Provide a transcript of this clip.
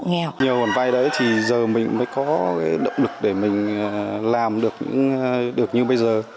nhiều khoản vay đấy thì giờ mình mới có cái động lực để mình làm được như bây giờ